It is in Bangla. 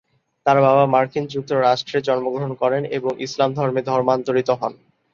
তার বাবা মার্কিন যুক্তরাষ্ট্রে জন্মগ্রহণ করেন এবং ইসলাম ধর্মে ধর্মান্তরিত হন।